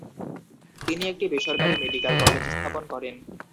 তিনি একটি বেসরকারী মেডিক্যাল কলেজ স্থাপন করেন।